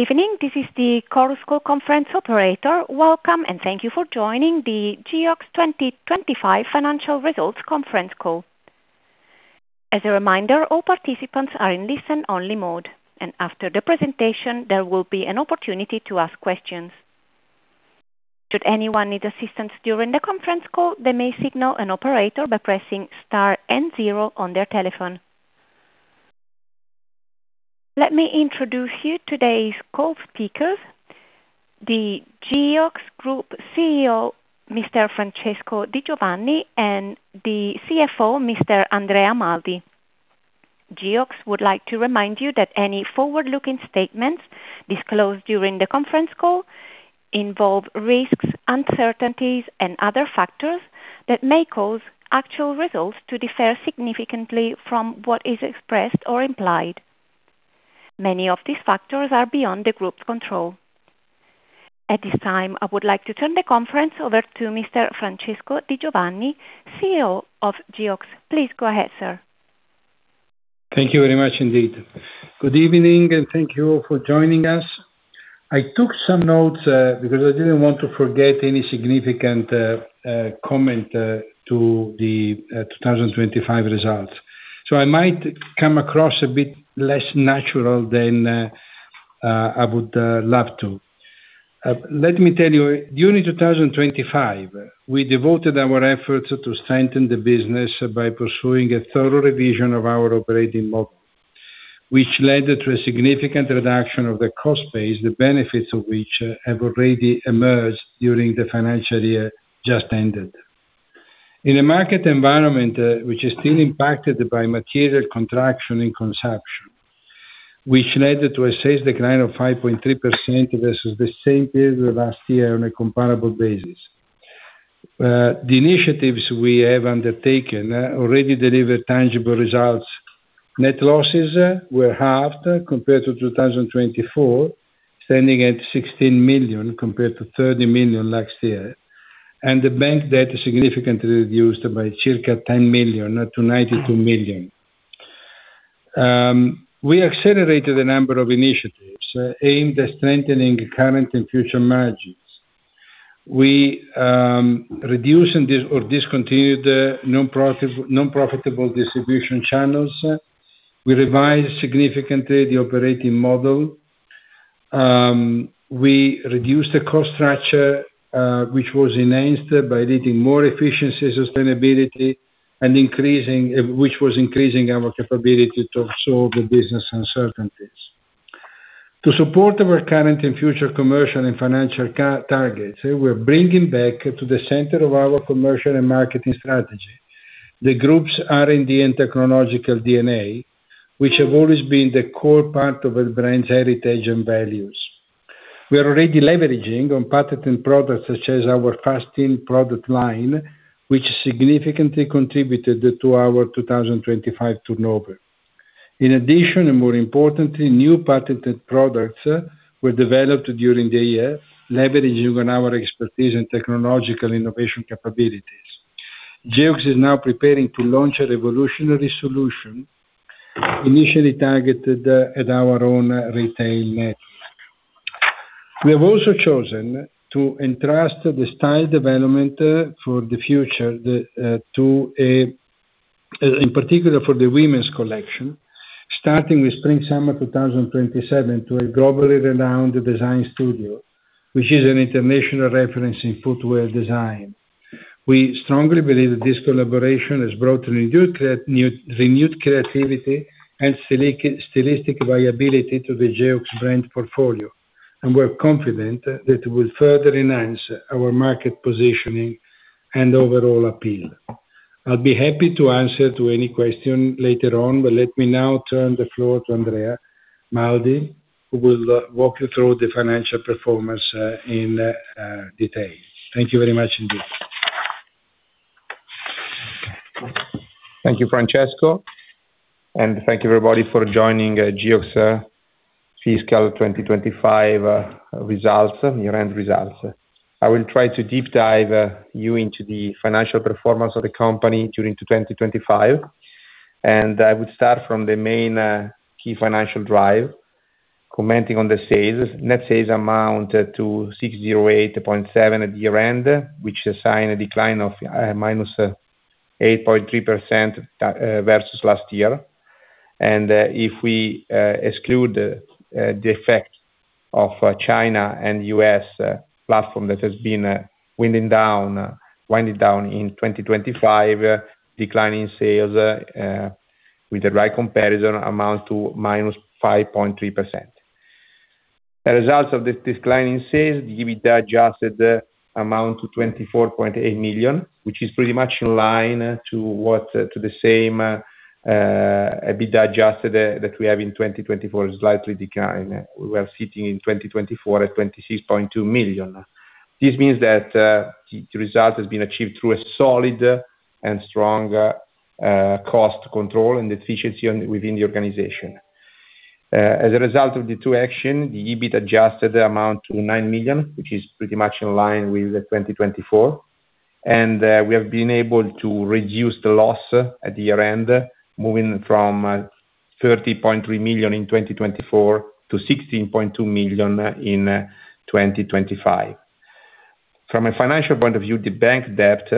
Evening. This is the Chorus Call conference operator. Welcome, and thank you for joining the Geox 2025 Financial Results Conference Call. As a reminder, all participants are in listen-only mode, and after the presentation, there will be an opportunity to ask questions. Should anyone need assistance during the conference call, they may signal an operator by pressing star and zero on their telephone. Let me introduce you to today's call speakers, the Geox Group CEO, Mr. Francesco Di Giovanni, and the CFO, Mr. Andrea Maldi. Geox would like to remind you that any forward-looking statements disclosed during the conference call involve risks, uncertainties, and other factors that may cause actual results to differ significantly from what is expressed or implied. Many of these factors are beyond the group's control. At this time, I would like to turn the conference over to Mr. Francesco Di Giovanni, CEO of Geox. Please go ahead, sir. Thank you very much indeed. Good evening, and thank you all for joining us. I took some notes, because I didn't want to forget any significant comment to the 2025 results. I might come across a bit less natural than I would love to. Let me tell you. During 2025, we devoted our efforts to strengthen the business by pursuing a thorough revision of our operating model, which led to a significant reduction of the cost base, the benefits of which have already emerged during the financial year just ended. In a market environment, which is still impacted by material contraction and consumption, which led to a sales decline of 5.3% versus the same period last year on a comparable basis. The initiatives we have undertaken already delivered tangible results. Net losses were halved compared to 2024, standing at 16 million compared to 30 million last year, and the bank debt is significantly reduced by circa 10 million to 92 million. We accelerated a number of initiatives aimed at strengthening current and future margins. We reduced and discontinued the non-profitable distribution channels. We revised significantly the operating model. We reduced the cost structure, which was enhanced by leading to more efficiency, sustainability, and increasing our capability to absorb the business uncertainties. To support our current and future commercial and financial targets, we're bringing back to the center of our commercial and marketing strategy the group's R&D and technological DNA, which have always been the core part of the brand's heritage and values. We are already leveraging on patented products such as our fast in product line, which significantly contributed to our 2025 turnover. In addition, and more importantly, new patented products were developed during the year, leveraging on our expertise and technological innovation capabilities. Geox is now preparing to launch a revolutionary solution initially targeted at our own retail network. We have also chosen to entrust the style development for the future in particular for the women's collection, starting with Spring/Summer 2027 to a globally renowned design studio, which is an international reference in footwear design. We strongly believe that this collaboration has brought renewed creativity and stylistic viability to the Geox brand portfolio, and we're confident that it will further enhance our market positioning and overall appeal. I'll be happy to answer to any question later on, but let me now turn the floor to Andrea Maldi, who will walk you through the financial performance, in detail. Thank you very much indeed. Thank you, Francesco, and thank you, everybody, for joining Geox Fiscal 2025 Year-end Results. I will try to deep dive you into the financial performance of the company during 2025. I would start from the main key financial drivers, commenting on the sales. Net sales amount to 608.7 at year-end, which is a decline of -8.3% versus last year. If we exclude the effect of China and U.S. platform that has been winding down in 2025, declining sales with the right comparison amount to -5.3%. As a result of this declining sales, the Adjusted EBIT amounted to 24.8 million, which is pretty much in line with the same Adjusted EBIT that we have in 2024, slightly decline. We are sitting in 2024 at 26.2 million. This means that the result has been achieved through a solid and strong cost control and efficiency within the organization. As a result of the two action, the Adjusted EBIT amounted to 9 million, which is pretty much in line with the 2024. We have been able to reduce the loss at the year-end, moving from 30.3 million in 2024 to 16.2 million in 2025. From a financial point of view, the bank debt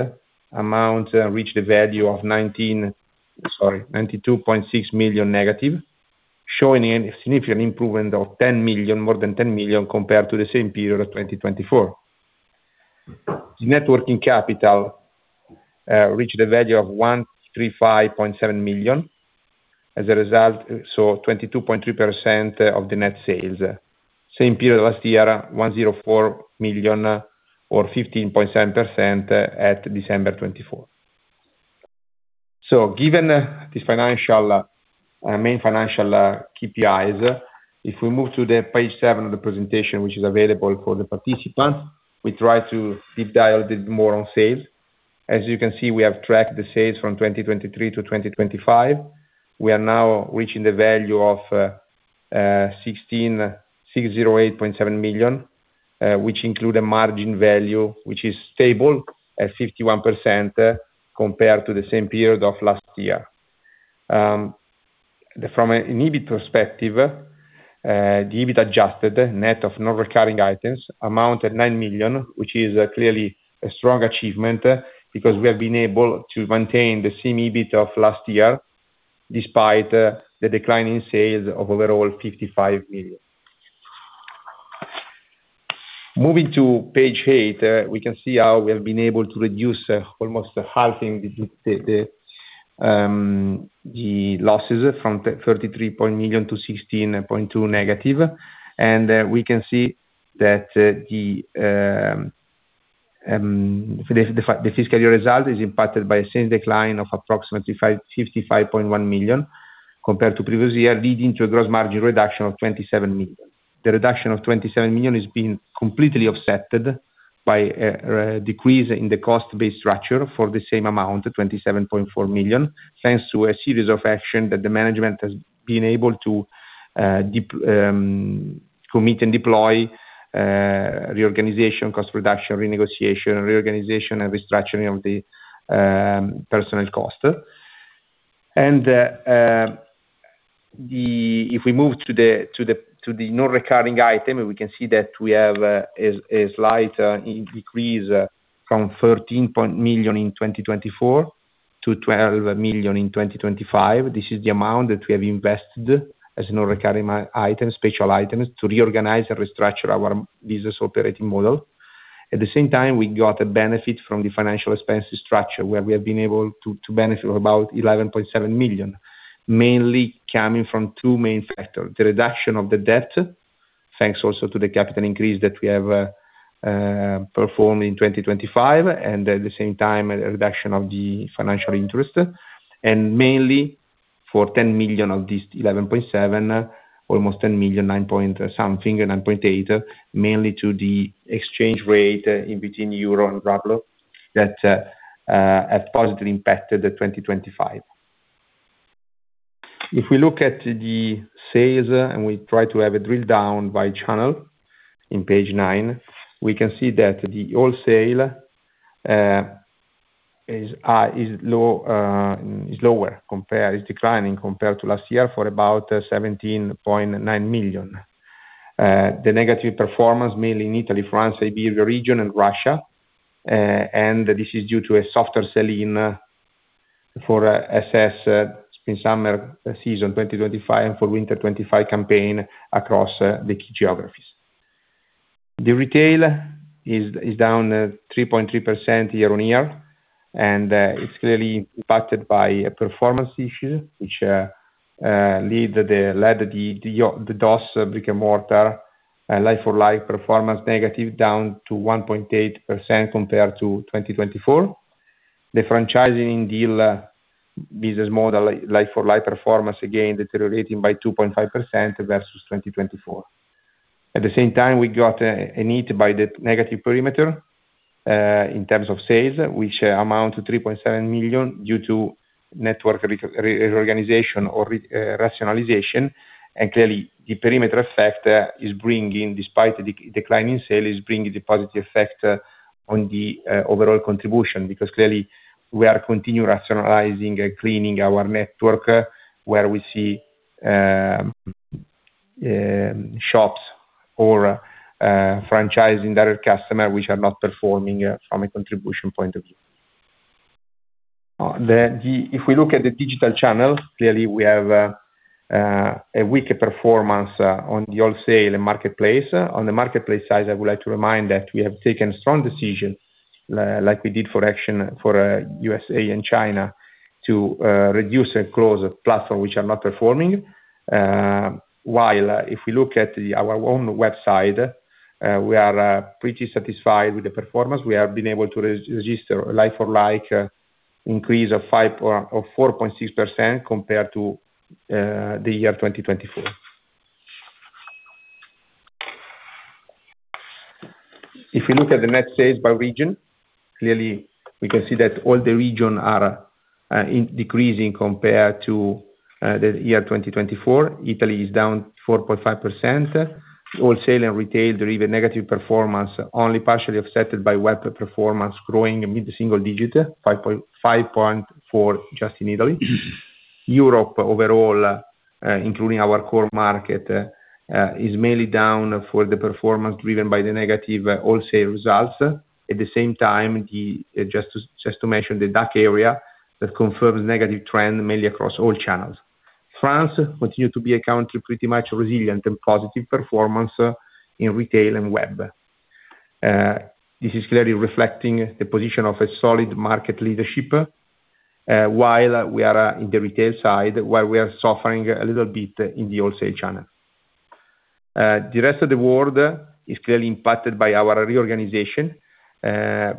amounted, reached the value of 19. Sorry, -92.6 million, showing a significant improvement of 10 million, more than 10 million compared to the same period of 2024. The net working capital reached a value of 135.7 million as a result, so 22.3% of the net sales. Same period last year, 104 million or 15.7% at December 2024. Given the main financial KPIs, if we move to page seven of the presentation, which is available for the participants, we try to deep dive a bit more on sales. As you can see, we have tracked the sales from 2023 to 2025. We are now reaching the value of 166.08 million, which include a margin value which is stable at 51% compared to the same period of last year. From an EBIT perspective, the EBIT adjusted net of non-recurring items amounted nine million, which is clearly a strong achievement because we have been able to maintain the same EBIT of last year despite the decline in sales of overall 55 million. Moving to page eight, we can see how we have been able to reduce almost halving the losses from 33 million to -16.2. We can see that the fiscal year result is impacted by a sales decline of approximately 55.1 million compared to previous year, leading to a gross margin reduction of 27 million. The reduction of 27 million has been completely offset by a decrease in the cost base structure for the same amount, 27.4 million, thanks to a series of actions that the management has been able to commit and deploy, reorganization, cost reduction, renegotiation, reorganization, and restructuring of the personnel cost. If we move to the non-recurring item, we can see that we have a slight decrease from 13 million in 2024 to 12 million in 2025. This is the amount that we have invested as non-recurring items, special items to reorganize and restructure our business operating model. At the same time, we got a benefit from the financial expenses structure where we have been able to benefit about 11.7 million, mainly coming from two main factors, the reduction of the debt, thanks also to the capital increase that we have performed in 2025, and at the same time, a reduction of the financial interest, and mainly for 10 million of these 11.7 million, almost 10 million, 9.8, mainly due to the exchange rate in between euro and ruble that have positively impacted the 2025. If we look at the sales and we try to have a drill down by channel in page nine, we can see that the wholesale is declining compared to last year for about 17.9 million. The negative performance mainly in Italy, France, Iberia region and Russia, and this is due to a softer selling for SS Spring/Summer season 2025 and for winter 2025 campaign across the key geographies. The retail is down 3.3% year-on-year, and it's clearly impacted by a performance issue which led the DOS brick-and-mortar like-for-like performance negative down to 1.8% compared to 2024. The franchising, the business model like-for-like performance, again, deteriorating by 2.5% versus 2024. At the same time, we got a negative perimeter in terms of sales, which amount to 3.7 million due to network reorganization or rationalization. Clearly, the perimeter effect, despite the declining sales, is bringing the positive effect on the overall contribution. Because clearly we are continuing rationalizing and cleaning our network, where we see shops or franchising direct customers which are not performing from a contribution point of view. If we look at the digital channels, clearly we have a weaker performance on the wholesale and marketplace. On the marketplace side, I would like to remind that we have taken strong decisions, like we did for Asia for USA and China to reduce and close platforms which are not performing. While if we look at our own website, we are pretty satisfied with the performance. We have been able to register a like-for-like increase of 4.6% compared to 2024. If you look at the net sales by region, clearly we can see that all the regions are decreasing compared to 2024, Italy is down 4.5%. Wholesale and retail drive a negative performance, only partially offset by web performance growing mid-single digit, 5.4 just in Italy. Europe overall, including our core market, is mainly down for the performance driven by the negative wholesale results. At the same time, just to mention the DACH area that confirms negative trend mainly across all channels. France continue to be a country pretty much resilient and positive performance in retail and web. This is clearly reflecting the position of a solid market leadership, while we are in the retail side, while we are suffering a little bit in the wholesale channel. The rest of the world is clearly impacted by our reorganization,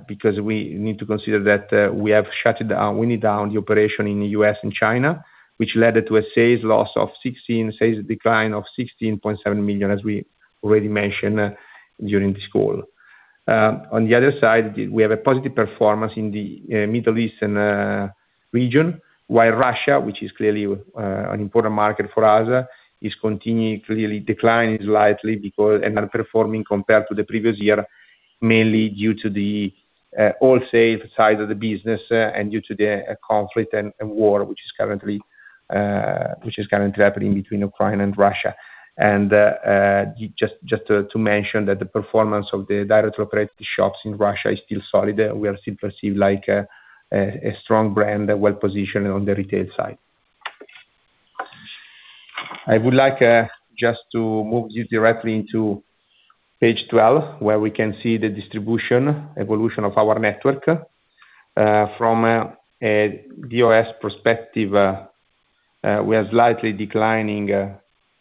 because we need to consider that we have shut down, winding down the operation in U.S. and China, which led to a sales decline of 16.7 million, as we already mentioned during this call. On the other side, we have a positive performance in the Middle Eastern region. While Russia, which is clearly an important market for us, is continuing to really decline slightly. Outperforming compared to the previous year, mainly due to the wholesale side of the business and due to the conflict and war, which is currently happening between Ukraine and Russia. Just to mention that the performance of the direct-to-consumer shops in Russia is still solid. We are still perceived like a strong brand well-positioned on the retail side. I would like just to move you directly into page 12, where we can see the distribution evolution of our network. From a DOS perspective, we are slightly declining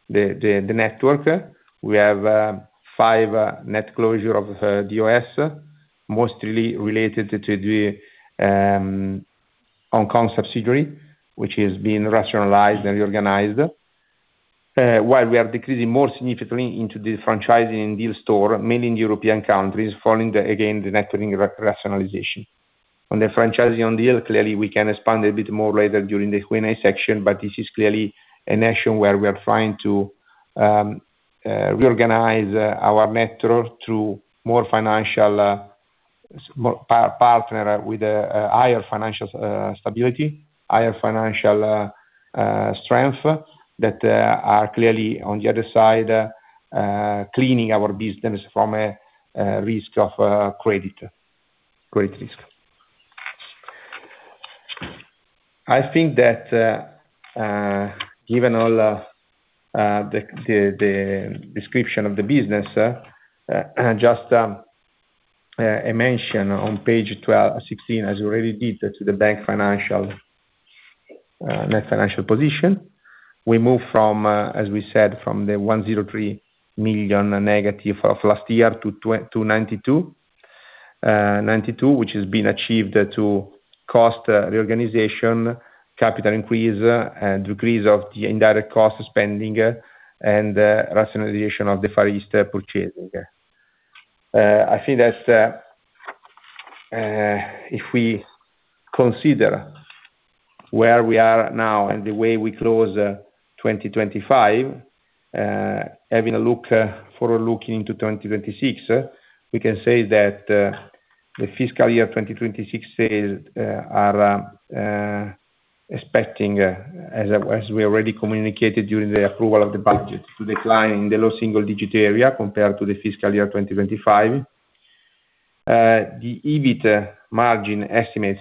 the network. We have five net closures of DOS, mostly related to the Hong Kong subsidiary, which is being rationalized and reorganized. While we are decreasing more significantly in the franchising and dealer stores, mainly in European countries, following the network rationalization. On the franchising and dealer, clearly we can expand a bit more later during the Q&A section, but this is clearly an action where we are trying to reorganize our network through more financially stable partners with higher financial stability, higher financial strength that are clearly on the other side cleaning our business from a risk of credit risk. I think that, given all the description of the business, I just mention on page sixteen, as we already said, the net financial position. We moved from, as we said, the -103 million of last year to -92 million. -92 million, which has been achieved through cost reorganization, capital increase, and decrease of the indirect cost spending and rationalization of the Far East purchasing. I think that, if we consider where we are now and the way we close 2025, having a look into 2026, we can say that, the fiscal year 2026 sales are expecting, as we already communicated during the approval of the budget, to decline in the low single digit area compared to the fiscal year 2025. The EBIT margin estimates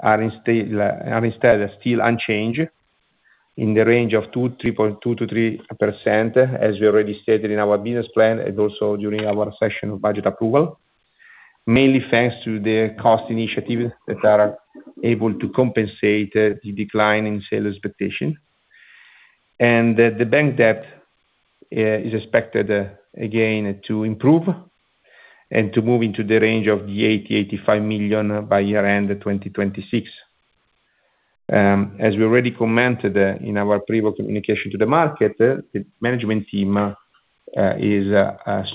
are instead still unchanged in the range of 2% to 3%, as we already stated in our business plan and also during our session of budget approval. Mainly thanks to the cost initiatives that are able to compensate the decline in sales expectation. The bank debt is expected again to improve and to move into the range of 80-85 million by year-end of 2026. As we already commented in our previous communication to the market, the management team is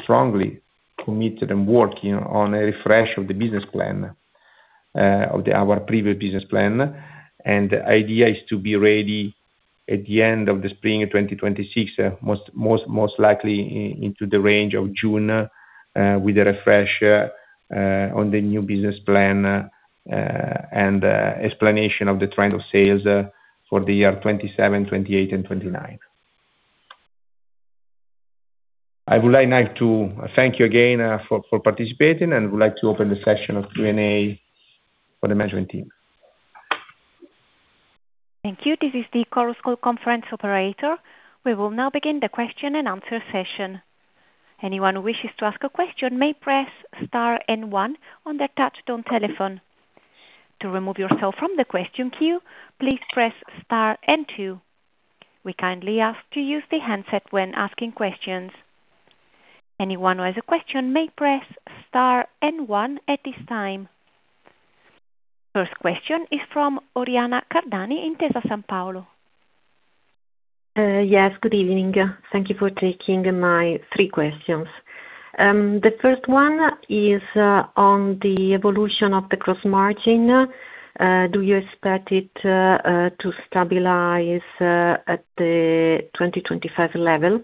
strongly committed and working on a refresh of the business plan of our previous business plan. The idea is to be ready at the end of Spring 2026, most likely into the range of June, with a refresh on the new business plan and explanation of the trend of sales for the year 2027, 2028 and 2029. I would like now to thank you again for participating, and I would like to open the session of Q&A for the management team. Thank you. This is the Chorus Call conference operator. We will now begin the question-and-answer session. Anyone who wishes to ask a question may press star and one on their touch tone telephone. To remove yourself from the question queue, please press star and two. We kindly ask to use the handset when asking questions. Anyone who has a question may press star and one at this time. First question is from Oriana Cardani, Intesa Sanpaolo. Yes. Good evening. Thank you for taking my three questions. The first one is on the evolution of the gross margin. Do you expect it to stabilize at the 2025 level?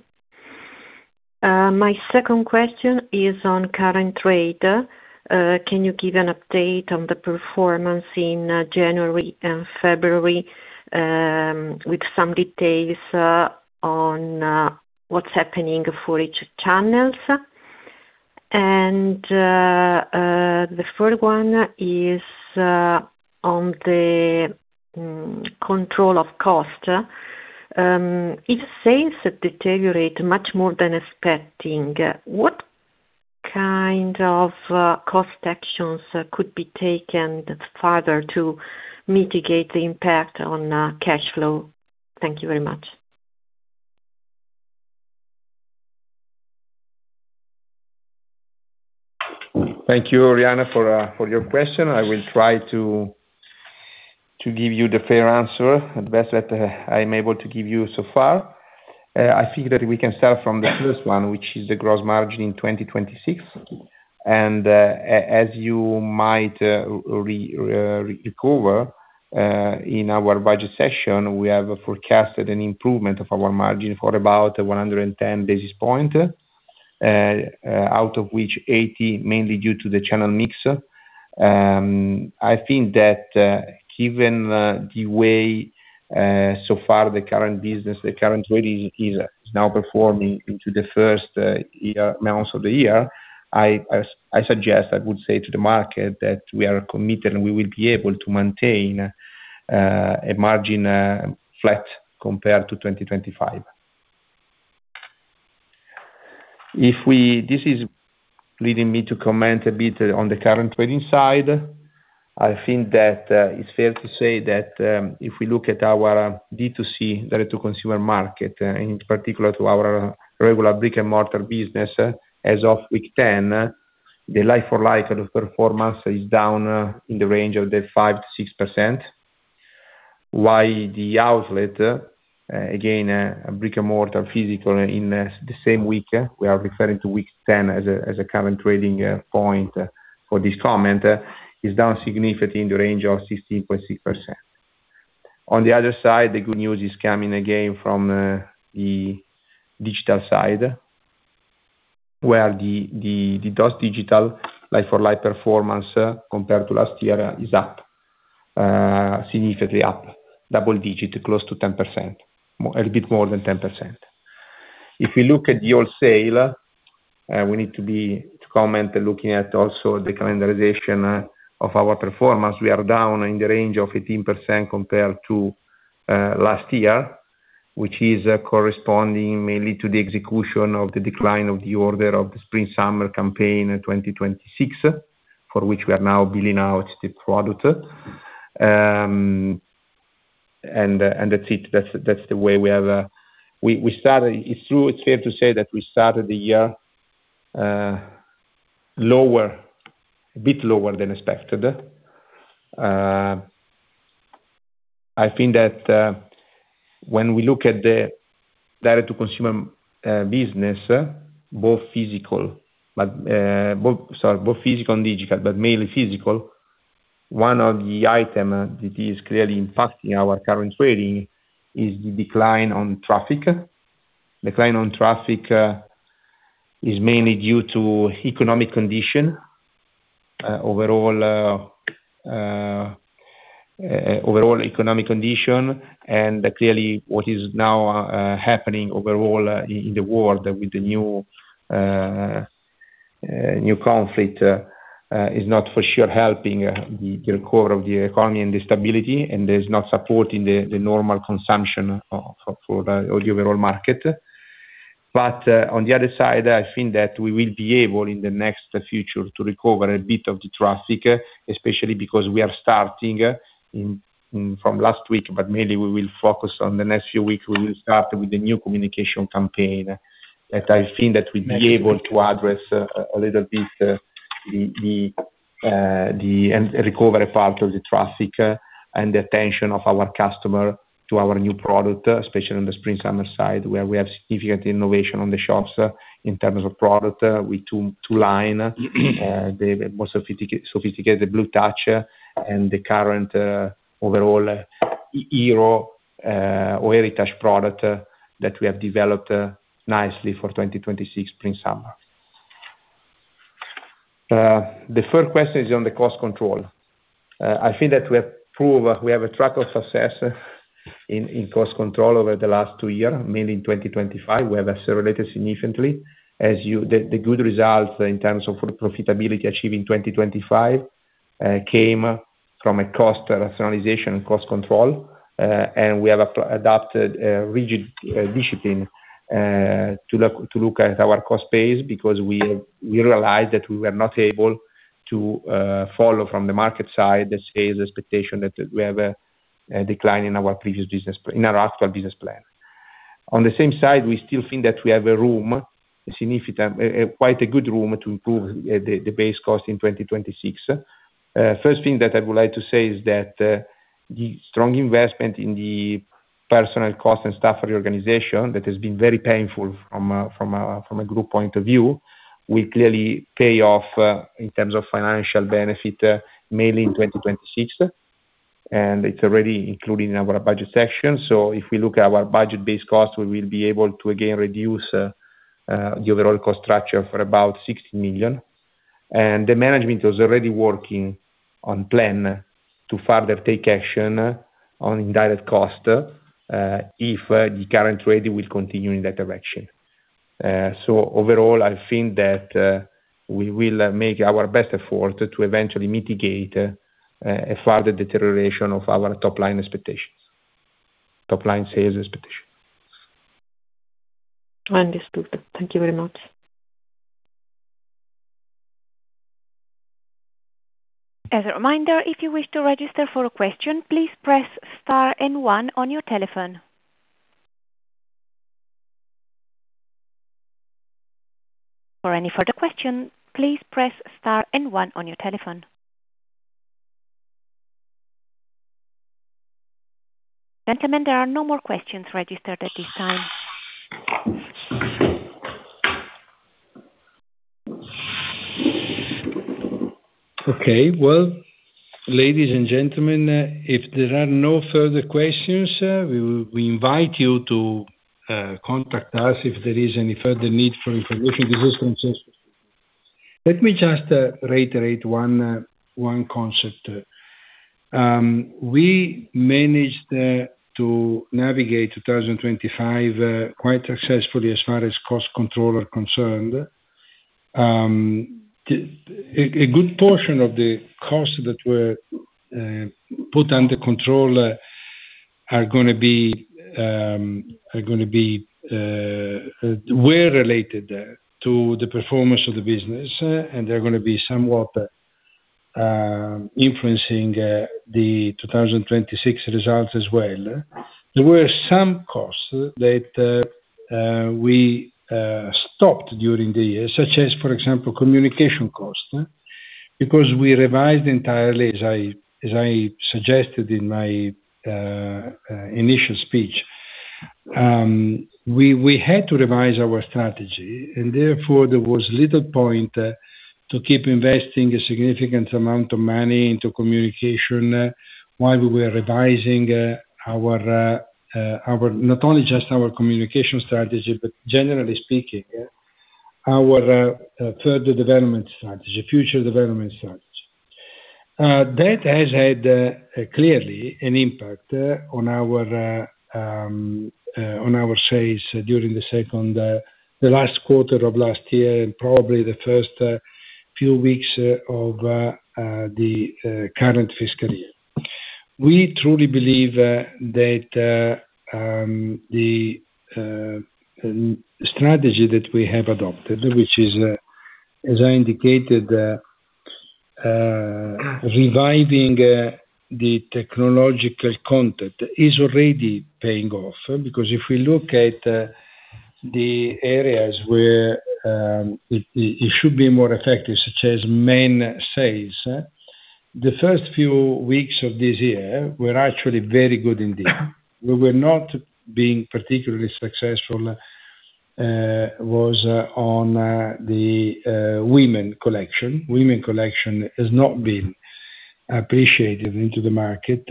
My second question is on current trading. Can you give an update on the performance in January and February, with some details on what's happening for each channels? The third one is on the cost control. If sales deteriorate much more than expected, what kind of cost actions could be taken further to mitigate the impact on cash flow? Thank you very much. Thank you, Oriana, for your question. I will try to give you the fair answer, the best that I'm able to give you so far. I think that we can start from the first one, which is the gross margin in 2026. As you might remember, in our budget session, we have forecasted an improvement of our margin for about 110 basis points, out of which 80 mainly due to the channel mix. I think that, given the way so far the current business, the current trading is now performing in the first months of the year. I suggest, I would say to the market that we are committed, and we will be able to maintain a margin flat compared to 2025. This is leading me to comment a bit on the current trading side. I think that it's fair to say that if we look at our D2C, direct to consumer market, in particular to our regular brick-and-mortar business as of week ten, the like-for-like performance is down in the range of the 5% to 6%. While the outlet, again, brick-and-mortar physical in the same week we are referring to week ten as a current trading point for this comment, is down significantly in the range of 16.6%. On the other side, the good news is coming again from the digital side. Where the DOS Digital like-for-like performance compared to last year is up significantly up, double digit, close to 10%, a bit more than 10%. If you look at the wholesale, we need to comment looking at also the calendarization of our performance. We are down in the range of 18% compared to last year. Which is corresponding mainly to the execution of the decline of the order of the Spring/Summer campaign in 2026, for which we are now billing out the product. That's the way we have started. It's true. It's fair to say that we started the year lower, a bit lower than expected. I think that when we look at the direct to consumer business, both physical and digital, but mainly physical. One of the item that is clearly impacting our current trading is the decline in traffic. Decline in traffic is mainly due to overall economic conditions. Clearly what is now happening overall in the world with the new conflict is not for sure helping the core of the economy and the stability, and there's no support in the normal consumption for the overall market. On the other side, I think that we will be able in the next future to recover a bit of the traffic, especially because we are starting from last week, but mainly we will focus on the next few weeks. We will start with the new communication campaign that I think that we'll be able to address a little bit the recovery part of the traffic and the attention of our customer to our new product, especially on the Spring/Summer side, where we have significant innovation on the shoes in terms of product with two lines, the most sophisticated Blue Touch and the current overall hero or heritage product that we have developed nicely for 2026 Spring/Summer. The third question is on the cost control. I think that we have proved a track of success in cost control over the last two years, mainly in 2025, we have accelerated significantly. The good results in terms of profitability achieved in 2025 came from a cost rationalization and cost control. We have adopted a rigid discipline to look at our cost base, because we realized that we were not able to follow from the market side the sales expectation that we have a decline in our actual business plan. On the same side, we still think that we have a room Significant, quite a good room to improve the base cost in 2026. First thing that I would like to say is that the strong investment in the personnel cost and staff of the organization, that has been very painful from a group point of view, will clearly pay off in terms of financial benefit, mainly in 2026. It's already included in our budget section. If we look at our budget base cost, we will be able to again reduce the overall cost structure for about 60 million. The management is already working on plan to further take action on indirect costs, if the current trend will continue in that direction. Overall, I think that we will make our best effort to eventually mitigate a further deterioration of our top line sales expectations. Understood. Thank you very much. As a reminder, if you wish to register for a question, please press star and one on your telephone. For any further question, please press star and one on your telephone. Gentlemen, there are no more questions registered at this time. Okay. Well, ladies and gentlemen, if there are no further questions, we invite you to contact us if there is any further need for information. This is Francesco. Let me just reiterate one concept. We managed to navigate 2025 quite successfully as far as cost control are concerned. A good portion of the costs that were put under control were related to the performance of the business, and they're gonna be somewhat influencing the 2026 results as well. There were some costs that we stopped during the year, such as, for example, communication costs, because we revised entirely as I suggested in my initial speech. We had to revise our strategy, and therefore there was little point to keep investing a significant amount of money into communication while we were revising not only just our communication strategy, but generally speaking, our future development strategy. That has had clearly an impact on our sales during the last quarter of last year and probably the first few weeks of the current fiscal year. We truly believe that the strategy that we have adopted, which is, as I indicated, reviving the technological content, is already paying off. If we look at the areas where it should be more effective, such as men's sales, the first few weeks of this year were actually very good indeed. We were not being particularly successful on the women's collection. Women's collection has not been appreciated in the market,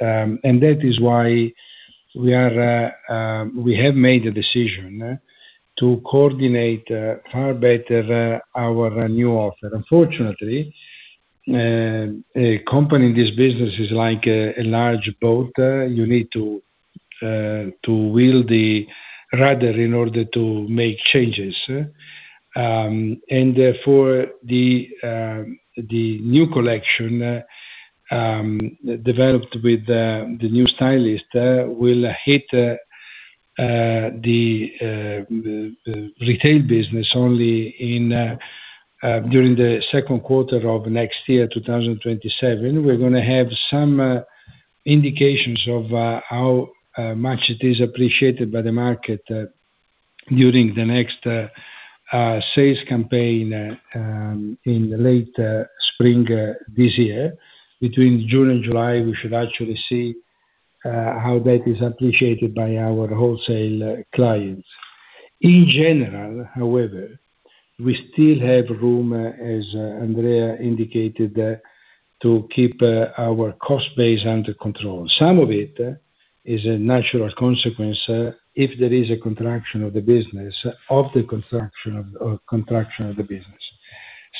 and that is why we have made a decision to coordinate far better our new offer. Unfortunately, a company in this business is like a large boat. You need to wield the rudder in order to make changes. Therefore the new collection developed with the new stylist will hit the retail business only during the second quarter of next year, 2027. We're gonna have some indications of how much it is appreciated by the market during the next sales campaign in the late spring this year. Between June and July, we should actually see how that is appreciated by our wholesale clients. In general, however, we still have room, as Andrea indicated, to keep our cost base under control. Some of it is a natural consequence if there is a contraction of the business.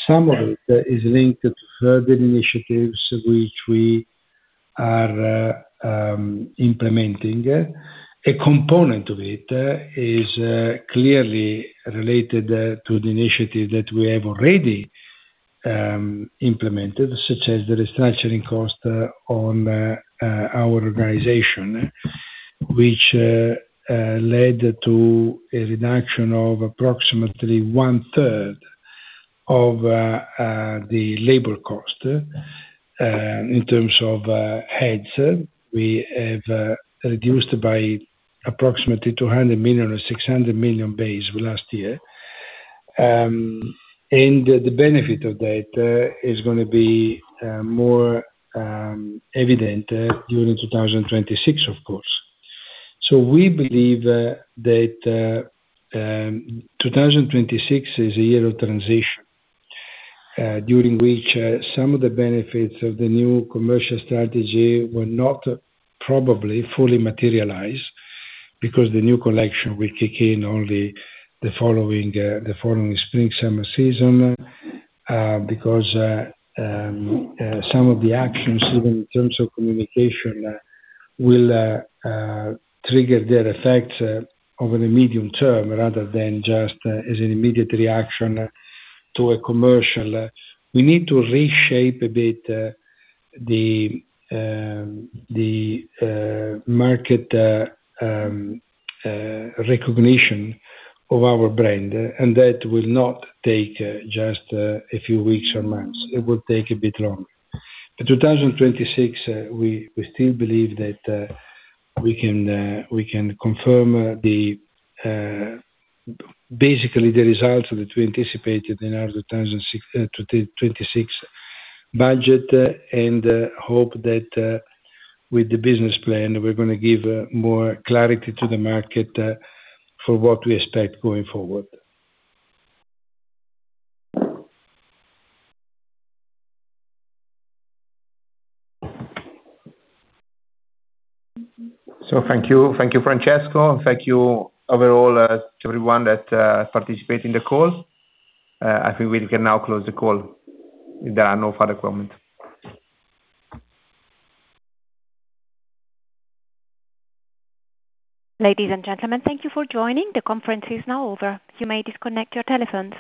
Some of it is linked to further initiatives which we are implementing. A component of it is clearly related to the initiative that we have already implemented, such as the restructuring cost on our organization, which led to a reduction of approximately one third of the labor cost, and in terms of heads, we have reduced by approximately 200 million or 600 million base last year. The benefit of that is gonna be more evident during 2026, of course. We believe that 2026 is a year of transition during which some of the benefits of the new commercial strategy will not probably fully materialize because the new collection will kick in only the following Spring/Summer season. Because some of the actions, even in terms of communication, will trigger their effects over the medium term rather than just as an immediate reaction to a commercial. We need to reshape a bit the market recognition of our brand, and that will not take just a few weeks or months. It will take a bit longer. 2026, we still believe that we can confirm basically the results that we anticipated in our 2026 budget, and hope that with the business plan, we're gonna give more clarity to the market for what we expect going forward. Thank you. Thank you, Francesco. Thank you overall to everyone that participated in the call. I think we can now close the call if there are no further comments. Ladies and gentlemen, thank you for joining. The conference is now over. You may disconnect your telephones.